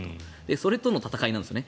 それとの戦いなんですよね。